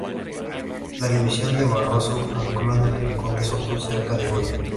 La división de Barroso ancló en el Rincón de Soto, cerca de Goya.